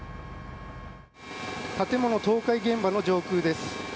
建物倒壊現場の上空です。